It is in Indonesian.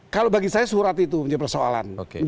kalau bagi saya surat itu menjadi persoalan